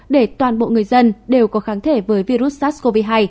để toàn bộ người dân đều có kháng thể với virus sars cov hai